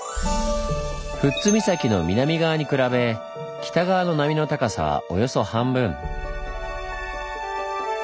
富津岬の南側に比べ北側の波の高さはおよそ半分。